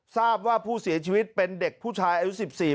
ทราบว่าผู้เสียชีวิตเป็นเด็กผู้ชายอายุ๑๔ปี